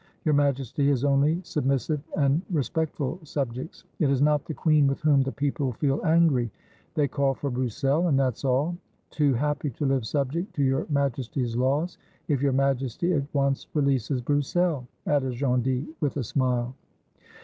Your Majesty has only submissive and respect ful subjects. It is not the queen with whom the people feel angry, — they call for Broussel, and that's all; too happy to live subject to Your Majesty's laws, — if Your Majesty at once releases Broussel," added Gondy, with a smile.